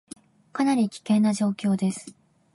かなり危険な状況です